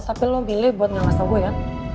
tapi lo pilih buat gak ngasih tau gue ya